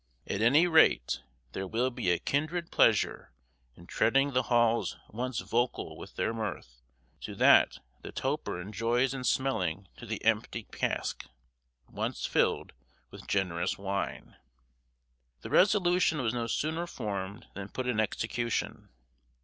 At any rate, there will be a kindred pleasure in treading the halls once vocal with their mirth to that the toper enjoys in smelling to the empty cask, once filled with generous wine." The resolution was no sooner formed than put in execution.